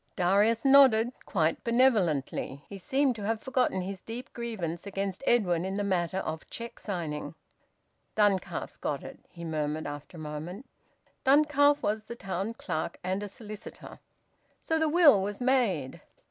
Darius nodded, quite benevolently. He seemed to have forgotten his deep grievance against Edwin in the matter of cheque signing. "Duncalf's got it," he murmured after a moment. Duncalf was the town clerk and a solicitor. So the will was made!